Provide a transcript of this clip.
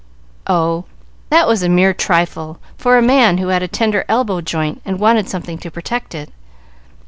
"Oh, that was a mere trifle for a man who had a tender elbow joint and wanted something to protect it.